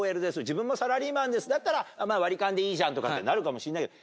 自分もサラリーマンですだったら割り勘でいいじゃんとかってなるかもしれないけど。